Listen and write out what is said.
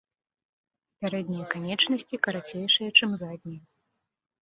Пярэднія канечнасці карацейшыя чым заднія.